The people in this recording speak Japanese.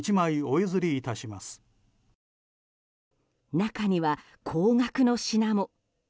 中には高額の品も。